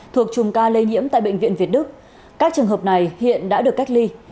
thuộc chùm ca lây nhiễm tại bệnh viện việt đức các trường hợp này hiện đã được cách ly